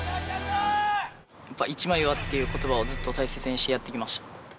「一枚岩」という言葉をずっと大切にやってきました。